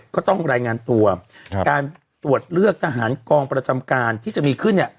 ก็ต้องรายงานตัวการตรวจเลือกทหารกองประจำการที่จะมีขึ้นเนี่ย